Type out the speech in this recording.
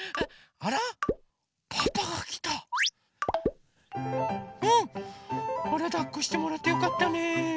あらだっこしてもらってよかったね。